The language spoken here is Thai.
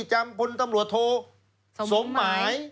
จำพลตำรวจโทสมหมาย